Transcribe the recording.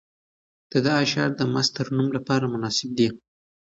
د ده اشعار د مست ترنم لپاره مناسب دي.